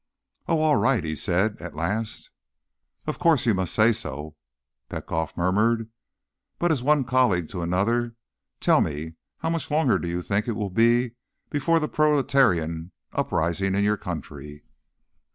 "Oh, all right," he said at last. "Of course, you must say so," Petkoff murmured. "But, as one colleague to another, tell me: how much longer do you think it will be before the proletarian uprising in your country?"